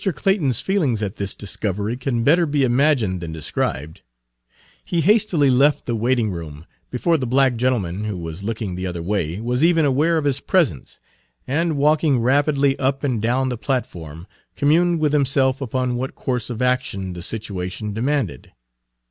Clayton's feelings at this discovery can better be imagined than described. He hastily left the waiting room, before the black gentleman, who was looking the other way, was even aware of his presence, and, walking rapidly up and down the platform, communed with himself upon what course of action the situation demanded.